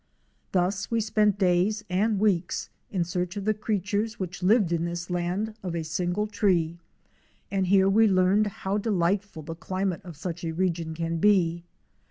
Thus we spent days and weeks in search of the creatures which lived in this land of a single tree, and here we learned how delightful the climate of such a region can be.